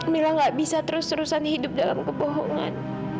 mila gak bisa terus terusan hidup dalam kebohongan